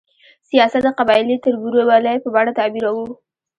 سیاست د قبایلي تربورولۍ په بڼه تعبیروو.